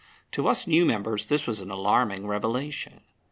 To us new members this was an alarming revelation.